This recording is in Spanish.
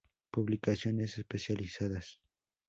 Publicaciones especializadas.